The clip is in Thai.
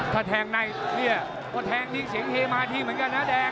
ถ้าแทงในเนี่ยก็แทงดีเสียงเฮมาดีเหมือนกันนะแดง